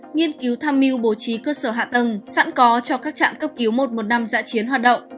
nghiên cứu tham mưu bố trí cơ sở hạ tầng sẵn có cho các trạm cấp cứu một trăm một mươi năm giã chiến hoạt động